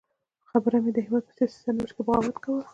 خبره مې د هېواد په سیاسي سرنوشت کې د بغاوت کوله.